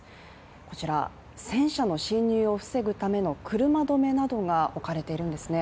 こちら、戦車の侵入を防ぐための車止めなどが置かれているんですね。